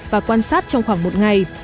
và quan sát trong khoảng một ngày